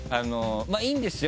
まぁいいんですよ